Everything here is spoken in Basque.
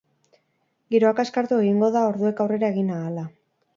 Giroa kaskartu egingo da orduek aurrera egin ahala.